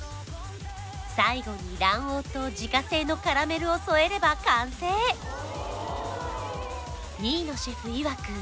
最後に卵黄と自家製のカラメルを添えれば完成新野シェフいわく